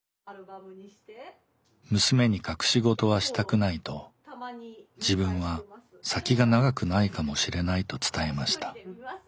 娘に隠し事はしたくないと自分は先が長くないかもしれないと伝えました。